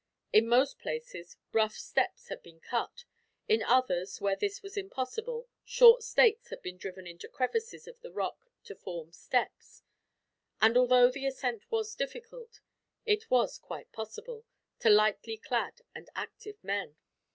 In most places, rough steps had been cut; in others, where this was impossible, short stakes had been driven into crevices of the rock to form steps; and although the ascent was difficult, it was quite possible, to lightly clad and active men.